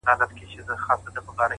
o غواړمه چي دواړي سترگي ورکړمه؛